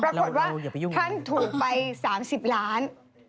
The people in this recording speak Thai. ปรากฏว่าท่านถูกไป๓๐ล้าน